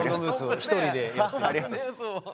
ありがとうございます。